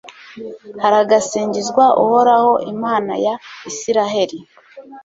haragasingizwa uhoraho, imana ya israheli